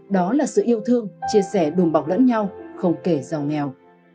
đó là sự yêu thương chia sẻ đùm bọc lẫn nhau không kể giàu nghèo